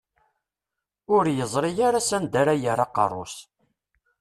Ur yeẓri ara s anda ara yerr aqerru-s.